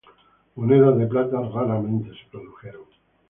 Monedas de plata raramente se produjeron.